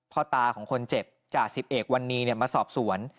พ่อตาของคนเจ็บจ่าสิบเอกวันนี้มาสอบสวน